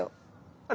あれ？